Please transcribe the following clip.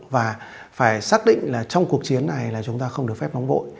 và phải xác định là trong cuộc chiến này là chúng ta không được phép nóng vội